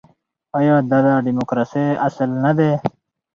آیا دا د ډیموکراسۍ اصل نه دی؟